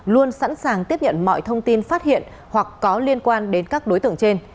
luôn sẵn sàng tiếp nhận mọi thông tin phát hiện hoặc có liên quan đến các đối tượng trên